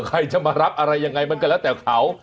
ใครจะมารับอะไรยังไงมันก็แล้วแต่เขา